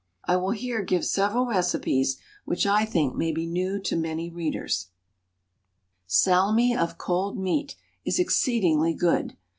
I will here give several recipes, which I think may be new to many readers. SALMI OF COLD MEAT is exceedingly good.